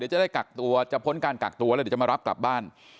จะได้กักตัวจะพ้นการกักตัวแล้วเดี๋ยวจะมารับกลับบ้าน